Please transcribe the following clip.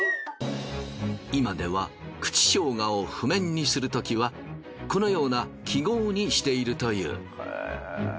今では口唱歌を譜面にするときはこのような記号にしているという。